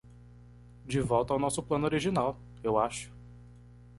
De volta ao nosso plano original? eu acho.